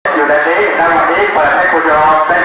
อยู่แถบนี้แต่วันนี้เปิดเทคโภตเต็มโบา